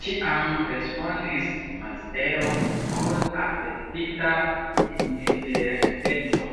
Ĉiam, respondis Maziero kun afektita indiferenteco.